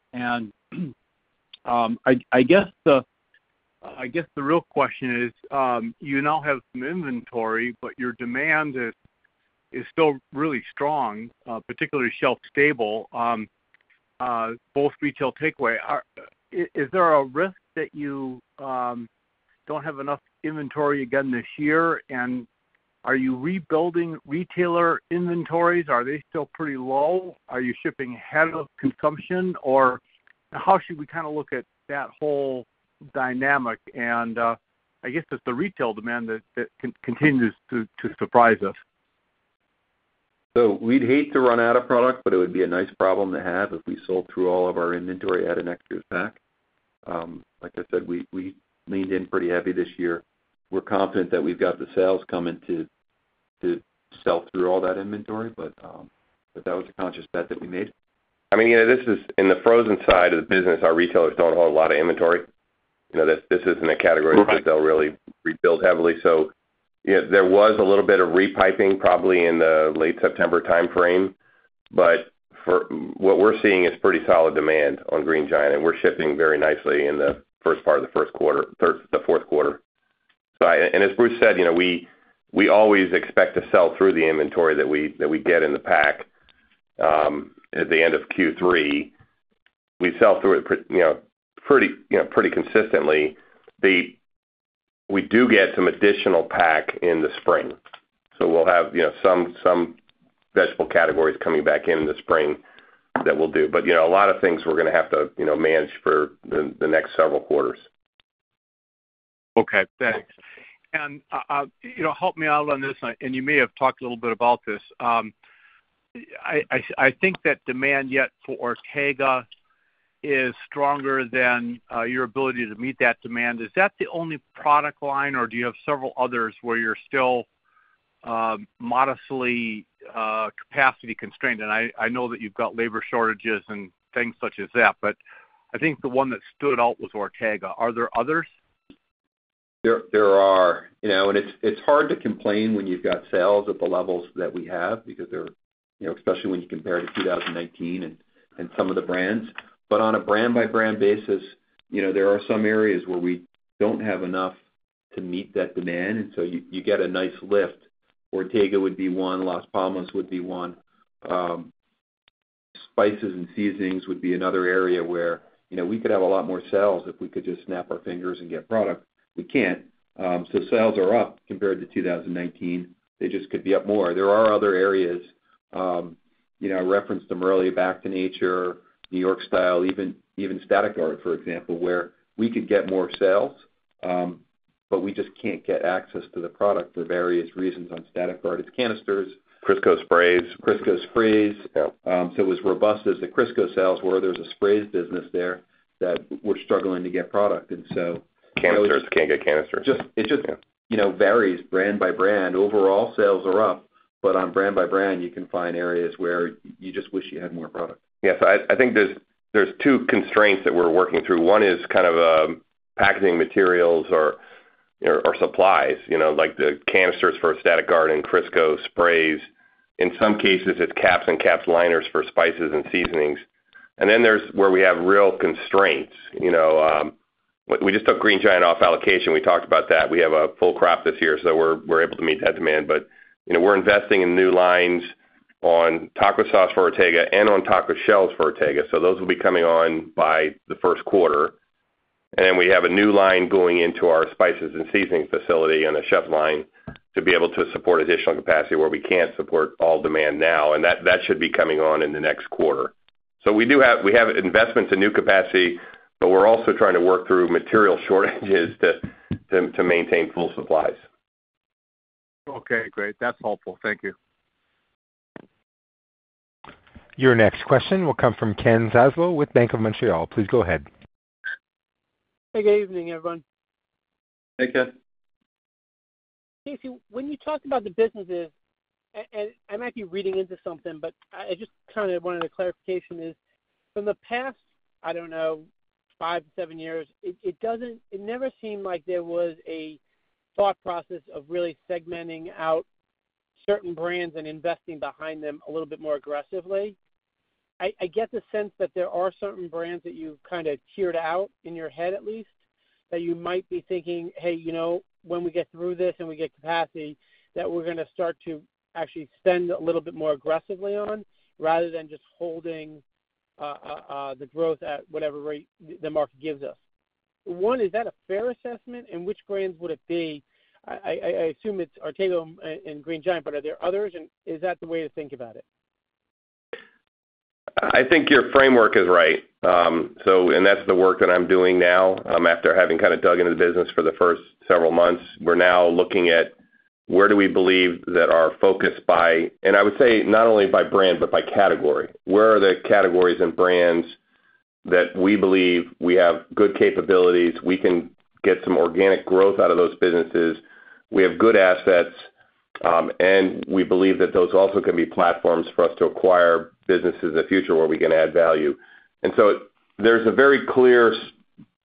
I guess the real question is, you now have some inventory, but your demand is still really strong, particularly shelf stable, both retail takeaway. Is there a risk that you don't have enough inventory again this year? Are you rebuilding retailer inventories? Are they still pretty low? Are you shipping ahead of consumption? Or how should we kind of look at that whole dynamic? I guess it's the retail demand that continues to surprise us. We'd hate to run out of product, but it would be a nice problem to have if we sold through all of our inventory at next year's pace. Like I said, we leaned in pretty heavy this year. We're confident that we've got the sales coming to sell through all that inventory. That was a conscious bet that we made. I mean, you know, this is in the frozen side of the business. Our retailers don't hold a lot of inventory. You know, this isn't a category that they'll really rebuild heavily. You know, there was a little bit of replenishing probably in the late September timeframe. But what we're seeing is pretty solid demand on Green Giant, and we're shipping very nicely in the first part of the fourth quarter. And as Bruce said, you know, we always expect to sell through the inventory that we get in the pack at the end of Q3. We sell through it pretty, you know, pretty consistently. We do get some additional pack in the spring, so we'll have, you know, some vegetable categories coming back in the spring that we'll do. you know, a lot of things we're gonna have to, you know, manage for the next several quarters. Okay, thanks. You know, help me out on this, and you may have talked a little bit about this. I think that demand yet for Ortega is stronger than your ability to meet that demand. Is that the only product line, or do you have several others where you're still modestly capacity constrained. I know that you've got labor shortages and things such as that, but I think the one that stood out was Ortega. Are there others? There are. You know, and it's hard to complain when you've got sales at the levels that we have because they're, you know, especially when you compare to 2019 and some of the brands. But on a brand-by-brand basis, you know, there are some areas where we don't have enough to meet that demand, and so you get a nice lift. Ortega would be one, Las Palmas would be one. Sales are up compared to 2019. They just could be up more. There are other areas, you know, I referenced them earlier, Back to Nature, New York Style, even Static Guard, for example, where we could get more sales, but we just can't get access to the product for various reasons. On Static Guard, it's canisters. Crisco sprays. Yep. As robust as the Crisco sales were, there's a sprays business there that we're struggling to get product. Can't get canisters. Just. Yeah. You know, varies brand by brand. Overall sales are up, but on brand by brand, you can find areas where you just wish you had more product. Yes. I think there's two constraints that we're working through. One is kind of, packaging materials or, you know, or supplies, you know, like the canisters for Static Guard and Crisco sprays. In some cases, it's caps and caps liners for spices and seasonings. Then there's where we have real constraints. You know, we just took Green Giant off allocation. We talked about that. We have a full crop this year, so we're able to meet that demand. You know, we're investing in new lines on taco sauce for Ortega and on taco shells for Ortega. Those will be coming on by the first quarter. We have a new line going into our spices and seasoning facility and a chef line to be able to support additional capacity where we can't support all demand now, and that should be coming on in the next quarter. We have investments in new capacity, but we're also trying to work through material shortages to maintain full supplies. Okay, great. That's helpful. Thank you. Your next question will come from Ken Zaslow with Bank of Montreal. Please go ahead. Hey, good evening, everyone. Hey, Ken. Casey, when you talk about the businesses, and I might be reading into something, but I just kind of wanted a clarification. From the past, I don't know, five, seven years, it doesn't. It never seemed like there was a thought process of really segmenting out certain brands and investing behind them a little bit more aggressively. I get the sense that there are certain brands that you've kind of tiered out in your head at least, that you might be thinking, "Hey, you know, when we get through this and we get capacity, that we're gonna start to actually spend a little bit more aggressively on, rather than just holding the growth at whatever rate the market gives us." One, is that a fair assessment? Which brands would it be? I assume it's Ortega and Green Giant, but are there others? Is that the way to think about it? I think your framework is right. That's the work that I'm doing now, after having kind of dug into the business for the first several months. We're now looking at where do we believe that our focus. I would say not only by brand, but by category. Where are the categories and brands that we believe we have good capabilities, we can get some organic growth out of those businesses, we have good assets, and we believe that those also can be platforms for us to acquire businesses in the future where we can add value. There's a very clear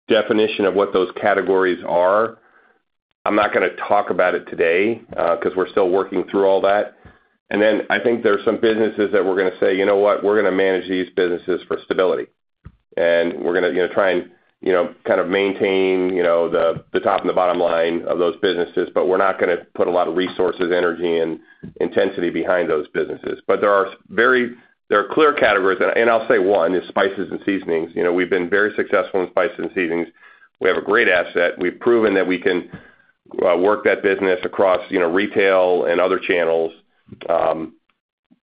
definition of what those categories are. I'm not gonna talk about it today, because we're still working through all that. Then I think there are some businesses that we're gonna say, You know what? We're gonna manage these businesses for stability, and we're gonna try and kind of maintain the top and the bottom line of those businesses, but we're not gonna put a lot of resources, energy, and intensity behind those businesses. There are clear categories, and I'll say one is spices and seasonings. We've been very successful in spices and seasonings. We have a great asset. We've proven that we can work that business across retail and other channels.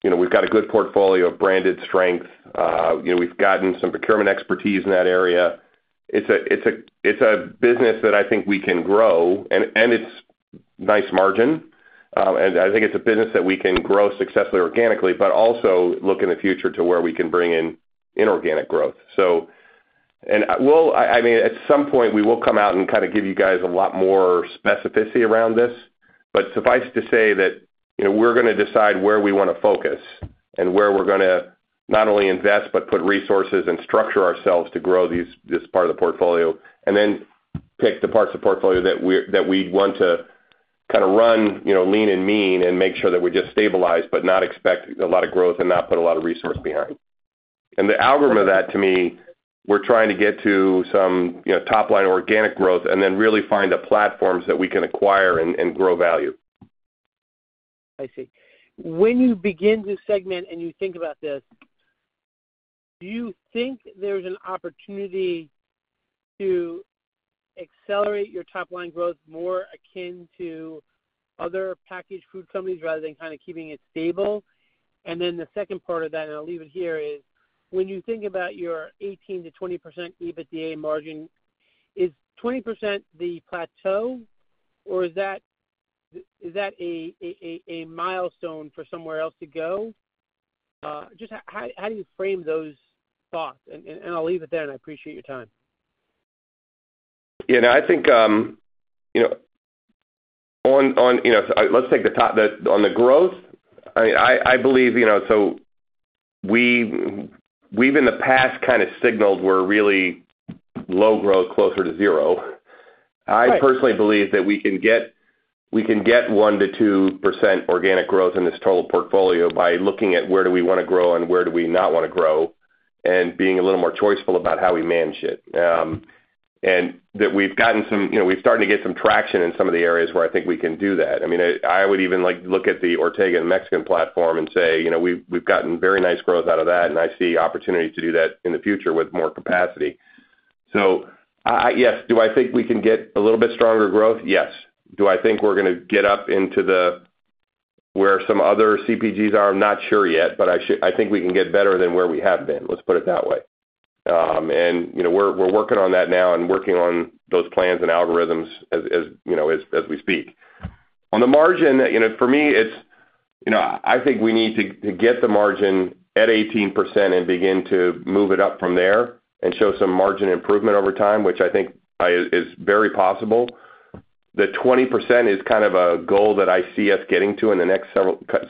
We've got a good portfolio of branded strength. We've gotten some procurement expertise in that area. It's a business that I think we can grow and it's nice margin. I think it's a business that we can grow successfully organically, but also look in the future to where we can bring in inorganic growth. I mean, at some point, we will come out and kind of give you guys a lot more specificity around this. But suffice to say that, you know, we're gonna decide where we wanna focus and where we're gonna not only invest, but put resources and structure ourselves to grow this part of the portfolio, and then pick the parts of the portfolio that we'd want to kind of run, you know, lean and mean and make sure that we just stabilize but not expect a lot of growth and not put a lot of resource behind. The outcome of that, to me, we're trying to get to some, you know, top line organic growth and then really find the platforms that we can acquire and grow value. I see. When you begin to segment and you think about this, do you think there's an opportunity to accelerate your top line growth more akin to other packaged food companies rather than kind of keeping it stable? The second part of that, and I'll leave it here, is when you think about your 18%-20% EBITDA margin, is 20% the plateau, or is that a milestone for somewhere else to go? Just how do you frame those thoughts? I'll leave it there, and I appreciate your time. You know, I think on the growth, I believe, you know, so we've in the past kinda signaled we're really low growth, closer to zero. Right. I personally believe that we can get 1%-2% organic growth in this total portfolio by looking at where do we wanna grow and where do we not wanna grow and being a little more choiceful about how we manage it. That we've gotten some, you know, we're starting to get some traction in some of the areas where I think we can do that. I mean, I would even like to look at the Ortega Mexican platform and say, you know, we've gotten very nice growth out of that, and I see opportunities to do that in the future with more capacity. Yes, do I think we can get a little bit stronger growth? Yes. Do I think we're gonna get up into the, where some other CPGs are? I'm not sure yet, but I think we can get better than where we have been, let's put it that way. You know, we're working on that now and working on those plans and algorithms as you know, as we speak. On the margin, you know, for me, it's you know, I think we need to get the margin at 18% and begin to move it up from there and show some margin improvement over time, which I think is very possible. The 20% is kind of a goal that I see us getting to in the next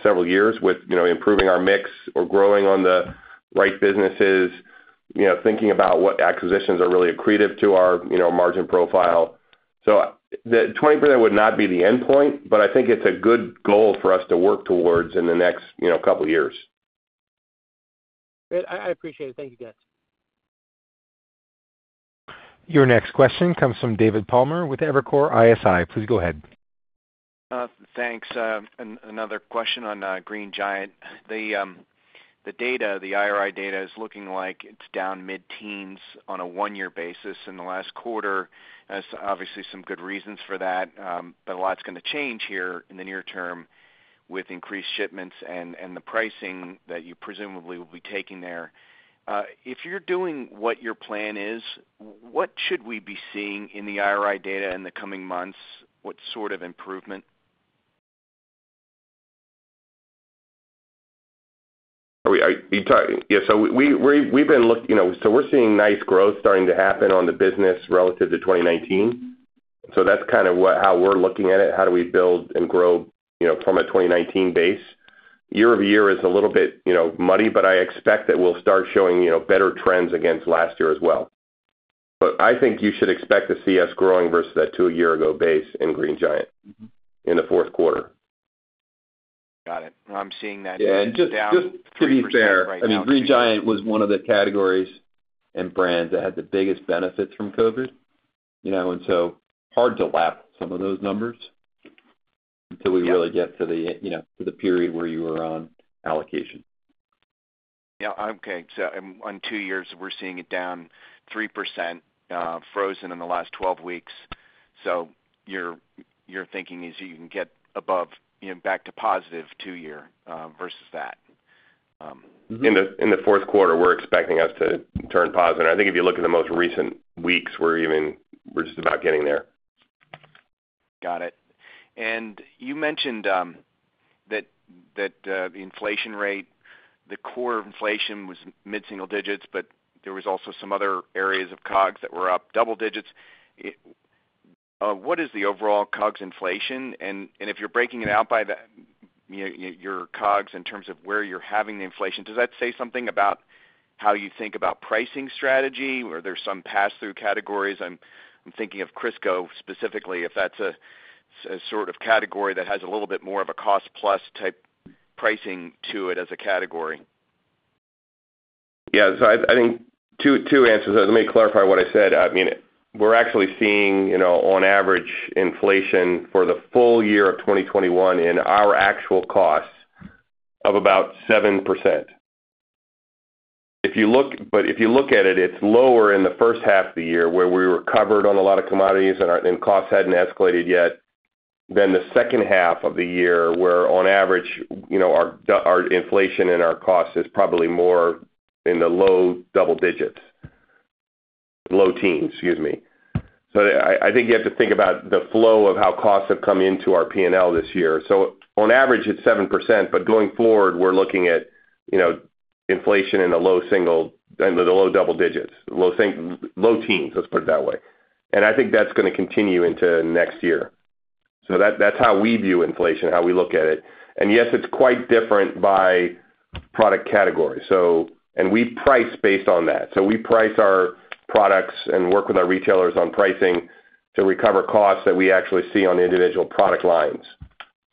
several years with you know, improving our mix or growing on the right businesses, you know, thinking about what acquisitions are really accretive to our you know, margin profile. The 20% would not be the endpoint, but I think it's a good goal for us to work towards in the next, you know, couple years. Great. I appreciate it. Thank you, guys. Your next question comes from David Palmer with Evercore ISI. Please go ahead. Thanks. Another question on Green Giant. The data, the IRI data is looking like it's down mid-teens% on a one-year basis in the last quarter. There's obviously some good reasons for that, but a lot's gonna change here in the near term with increased shipments and the pricing that you presumably will be taking there. If you're doing what your plan is, what should we be seeing in the IRI data in the coming months? What sort of improvement? Yeah, we've been looking, you know. We're seeing nice growth starting to happen on the business relative to 2019. That's kind of what, how we're looking at it. How do we build and grow, you know, from a 2019 base? Year-over-year is a little bit, you know, muddy, but I expect that we'll start showing, you know, better trends against last year as well. I think you should expect to see us growing versus that two-year-ago base in Green Giant. Mm-hmm. in the fourth quarter. Got it. I'm seeing that. Yeah. Down 3% right now. Just to be fair, I mean, Green Giant was one of the categories and brands that had the biggest benefits from COVID, you know, and so hard to lap some of those numbers until we really get to the, you know, to the period where you were on allocation. On two-year, we're seeing it down 3%, frozen in the last 12 weeks. Your thinking is you can get above, you know, back to positive two-year versus that. In the fourth quarter, we're expecting to turn positive. I think if you look at the most recent weeks, we're just about getting there. Got it. You mentioned that the inflation rate, the core inflation was mid single digits, but there was also some other areas of COGS that were up double digits. What is the overall COGS inflation? If you're breaking it out by the, you know, your COGS in terms of where you're having the inflation, does that say something about how you think about pricing strategy? Were there some pass-through categories? I'm thinking of Crisco specifically, if that's a sort of category that has a little bit more of a cost plus type pricing to it as a category. Yeah. I think two answers. Let me clarify what I said. I mean, we're actually seeing, you know, on average inflation for the full year of 2021 in our actual costs of about 7%. If you look at it's lower in the first half of the year where we were covered on a lot of commodities and our costs hadn't escalated yet. Then the second half of the year where on average, you know, our inflation and our cost is probably more in the low double digits. Low teens, excuse me. I think you have to think about the flow of how costs have come into our P&L this year. On average, it's 7%, but going forward, we're looking at, you know, inflation in the low double digits. Low teens, let's put it that way. I think that's gonna continue into next year. That, that's how we view inflation, how we look at it. Yes, it's quite different by product category. And we price based on that. We price our products and work with our retailers on pricing to recover costs that we actually see on the individual product lines.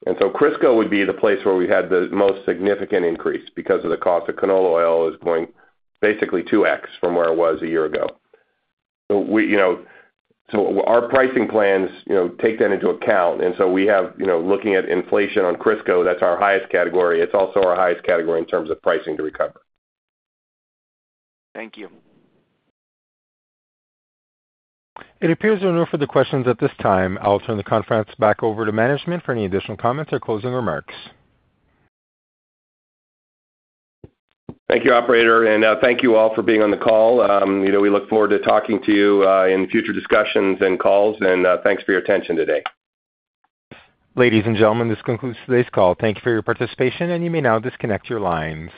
Crisco would be the place where we had the most significant increase because of the cost of canola oil is going basically 2x from where it was a year ago. We, you know, so our pricing plans, you know, take that into account. We have, you know, looking at inflation on Crisco, that's our highest category. It's also our highest category in terms of pricing to recover. Thank you. It appears there are no further questions at this time. I'll turn the conference back over to management for any additional comments or closing remarks. Thank you, operator. Thank you all for being on the call. You know, we look forward to talking to you in future discussions and calls, and thanks for your attention today. Ladies and gentlemen, this concludes today's call. Thank you for your participation, and you may now disconnect your lines.